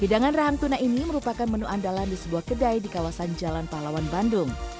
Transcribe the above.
hidangan rahang tuna ini merupakan menu andalan di sebuah kedai di kawasan jalan pahlawan bandung